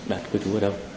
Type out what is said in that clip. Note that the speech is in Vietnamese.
đạt quê thú ở đâu